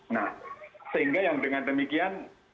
nah sehingga yang dengan demikian